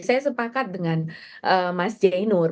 saya sepakat dengan mas jainur